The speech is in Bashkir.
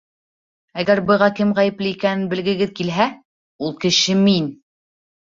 Әгәр быға кем ғәйепле икәнен белгегеҙ килһә, ул кеше мин.